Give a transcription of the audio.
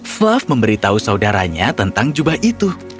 fluff memberitahu saudaranya tentang jubah itu